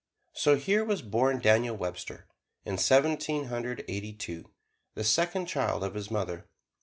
So here was born Daniel Webster, in Seventeen Hundred Eighty two, the second child of his mother.